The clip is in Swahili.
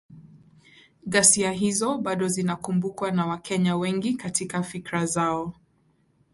Ghasia hizo bado zinakumbukwa na Wakenya wengi katika fikra zao.